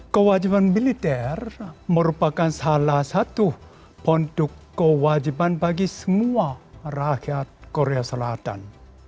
kewajiban militer merupakan salah satu pondok kewajiban bagi semua rakyat korea selatan